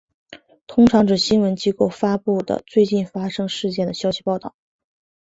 通常指新闻机构发布的最近发生事件的消息报道。